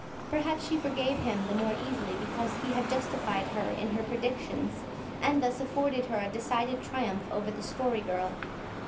Perhaps she forgave him the more easily, because he had justified her in her predictions, and thus afforded her a decided triumph over the Story Girl.